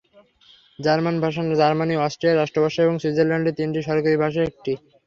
German ভাষা Germany ও অস্ট্রিয়ার রাষ্ট্রভাষা এবং সুইজারল্যান্ডের তিনটি সরকারী ভাষার একটি।